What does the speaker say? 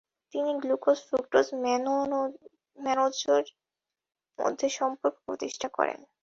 তিনি glucose, fructose ও ম্যানোজের মধ্যে সম্পর্ক প্রতিষ্ঠা করেন।